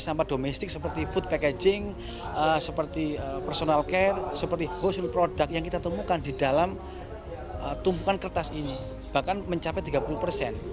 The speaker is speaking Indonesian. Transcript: seperti personal care seperti hosul produk yang kita temukan di dalam tumpukan kertas ini bahkan mencapai tiga puluh persen